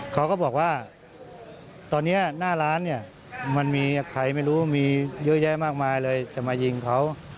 เขาก็บอกว่าตอนนี้หน้าร้านเนี่ยมันมีใครไม่รู้มีเยอะแยะมากมายเลยจะมายิงเขา